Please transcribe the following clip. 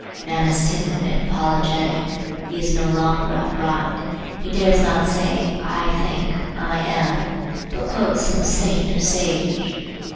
Man is timid and apologetic; he is no longer upright; he dares not say 'I think,' 'I am,' but quotes some saint or sage.